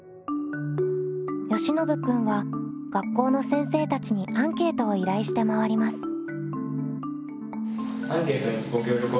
よしのぶ君は学校の先生たちにアンケートを依頼して回ります。